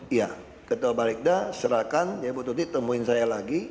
iya ketua balikda serahkan ya ibu tuti temuin saya lagi